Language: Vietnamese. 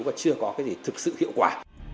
và chưa có cái gì thực sự hiệu quả